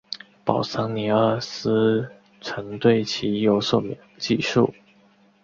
保桑尼阿斯曾对其有所记述。